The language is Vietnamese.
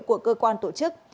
của cơ quan tổ chức